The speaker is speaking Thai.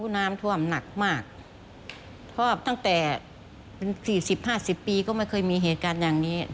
น้ำถว่ำหนักมากเพราะตั้งแต่๔๐๕๐ปีก็ไม่เคยมีเหตุการณ์อย่างนี้